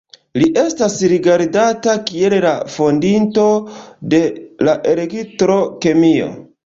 Li estas rigardata kiel la fondinto de la elektro-kemio.